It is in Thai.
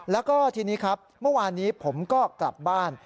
แล้วก็ทีนี้ครับเมื่อวานนี้ผมก็กลับบ้าน